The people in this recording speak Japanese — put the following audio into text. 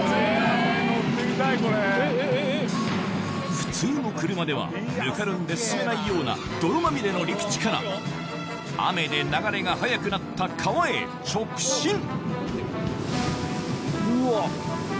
普通の車ではぬかるんで進めないような泥まみれの陸地から雨で流れが速くなった川へ直進うわ。